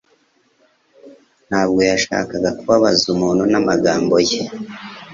Ntabwo yashakaga kubabaza umuntu n'amagambo ye